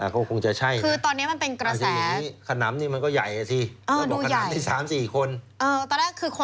เค้าคงจะใช่นะขนามนี้ก็ใหญ่อ่ะสิดูใหญ่